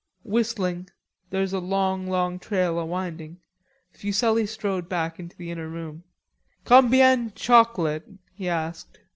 Whistling "There's a long, long trail a winding," Fuselli strode back into the inner room. "Combien chocolate?" he asked.